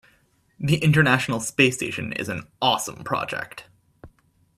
The international space station is an awesome project.